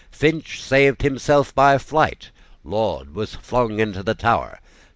Finch saved himself by flight. Laud was flung into the Tower.